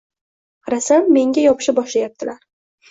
Qarasam, menga yopisha boshlayaptilar.